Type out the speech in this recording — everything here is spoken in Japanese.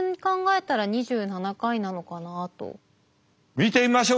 見てみましょう。